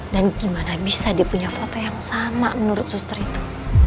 dan gimana bisa dia punya foto yang sama menurut suster itu